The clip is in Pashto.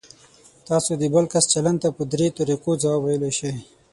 تاسو د بل کس چلند ته په درې طریقو ځواب ویلی شئ.